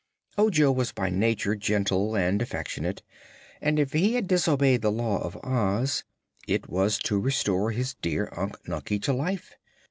Ojo was by nature gentle and affectionate and if he had disobeyed the Law of Oz it was to restore his dear Unc Nunkie to life.